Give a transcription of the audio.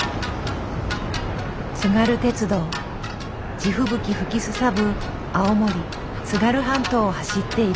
地吹雪吹きすさぶ青森津軽半島を走っている。